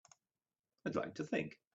I'd like to think.